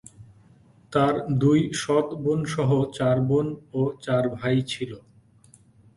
তার দুই সৎ বোন সহ চার বোন ও চার ভাই ছিল।